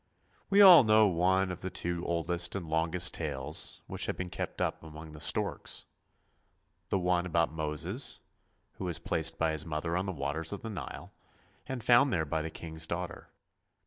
We all know one of the two oldest and longest tales which have been kept up among the storks; the one about Moses, who was placed by his mother on the waters of the Nile, and found there by the king's daughter.